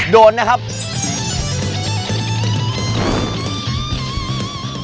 โดนนะครับ